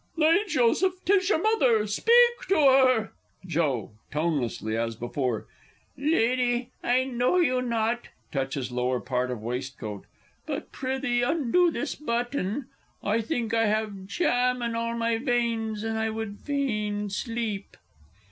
_ Nay, Joseph 'tis your mother ... speak to her! Joe (tonelessly, as before). Lady, I know you not (touches lower part of waistcoat); but, prithee, undo this button. I think I have jam in all my veins, and I would fain sleep.